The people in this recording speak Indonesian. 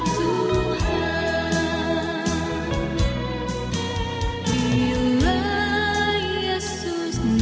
kau damai anugerah tuhan